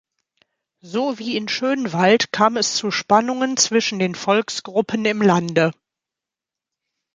So wie in Schönwald kam es zu Spannungen zwischen den Volksgruppen im Lande.